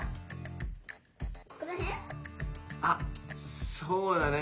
あっそうだね。